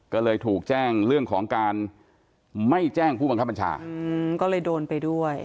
ก็เลยถูกแจ้งเรื่องของการไม่แจ้งผู้บังคับบัญชาก็เลยโดนไปด้วย